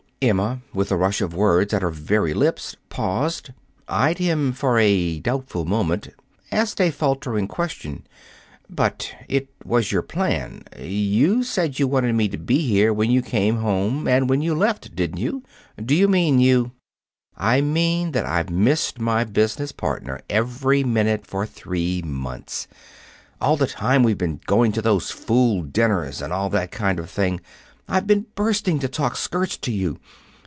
Emma, with a rush of words at her very lips, paused, eyed him for a doubtful moment, asked a faltering question. "But it was your plan you said you wanted me to be here when you came home and when you left, didn't you? Do you mean you " "I mean that I've missed my business partner every minute for three months. All the time we've been going to those fool dinners and all that kind of thing, I've been bursting to talk skirts to you.